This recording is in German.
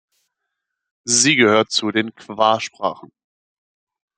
Sie gehört zu den Kwa-Sprachen.